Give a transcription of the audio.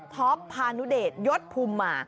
ท็อปพานุเดชยศภูมิมา